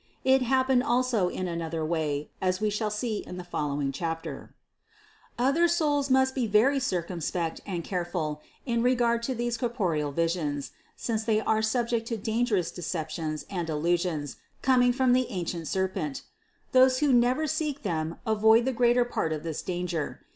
It hap pened also in another way, as we shall see in the following chapter. 498 CITY OF GOD 643. Other souls must be very circumspect and care ful in regard to these corporeal visions, since they are subject to dangerous deceptions and illusions coming from the ancient serpent Those who never seek them avoid a great part of this danger.